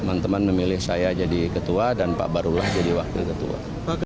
teman teman memilih saya jadi ketua dan pak barulah jadi wakil ketua